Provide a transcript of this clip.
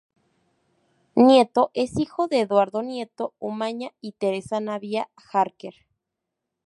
Nieto es hijo de Eduardo Nieto Umaña y Teresa Navia Harker.